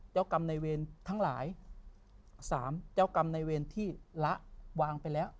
เจ้ากรรมในเวรทั้งหลายสามเจ้ากรรมในเวรที่ละวางไปแล้ว